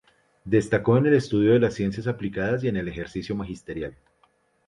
Destacó en el estudio de las ciencias aplicadas y en el ejercicio magisterial.